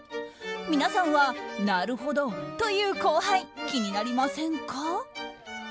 皆さんはなるほどと言う後輩気になりませんか？